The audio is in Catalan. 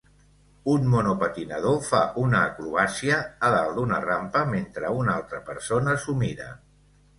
Un monopatinador fa una acrobàcia a dalt d'una rampa mentre una altra persona s'ho mira.